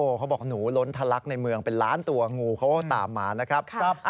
เขาบอกหนูล้นทะลักในเมืองเป็นล้านตัวงูเขาก็ตามมานะครับ